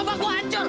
bangun pak bangun